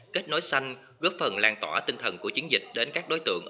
kết nối xanh góp phần lan tỏa tinh thần của chiến dịch đến các đối tượng